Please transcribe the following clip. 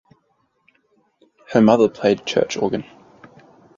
Her mother played church organ.